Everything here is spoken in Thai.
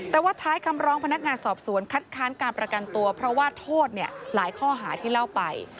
แต่ว่าท้ายคำร้องพนักงานสอบสวนคัดค้านการประกันตัวเพราะว่าโทษหลายข้อหาที่เล่าไป